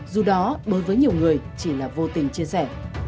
dù đó đối với nhiều người chỉ là vô tình chia sẻ